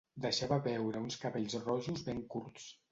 Deixava veure uns cabells rojos ben curts.